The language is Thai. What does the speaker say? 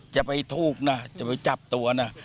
จะไปถูกนะจะไปจับตัวนะ